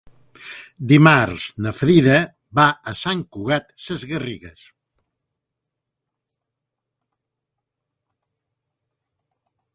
Dimarts na Frida va a Sant Cugat Sesgarrigues.